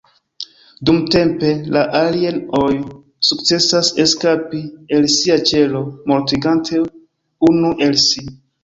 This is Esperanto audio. Dumtempe, la "alien-oj" sukcesas eskapi el sia ĉelo, mortigante unu el si.